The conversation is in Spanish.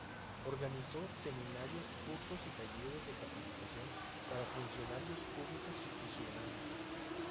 Organizó seminarios, cursos y talleres de capacitación para funcionarios públicos y ciudadanos.